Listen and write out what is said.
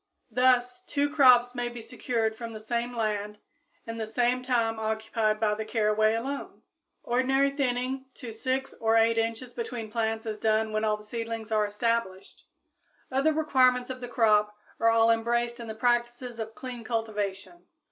Thus two crops may be secured from the same land in the same time occupied by the caraway alone. Ordinary thinning to 6 or 8 inches between plants is done when the seedlings are established. Other requirements of the crop are all embraced in the practices of clean cultivation.